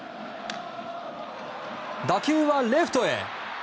打球はレフトへ。